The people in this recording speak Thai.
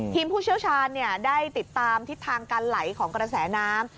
ผู้เชี่ยวชาญได้ติดตามทิศทางการไหลของกระแสน้ำ